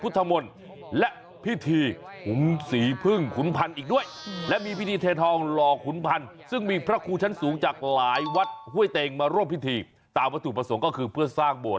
ตามวัฒนธุประสงค์ก็คือเพื่อสร้างโหมด